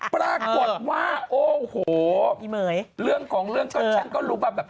ปรากฏว่าโอ้โหเรื่องของเรื่องก็ฉันก็รู้มาแบบ